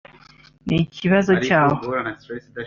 ni ikibazo cyaho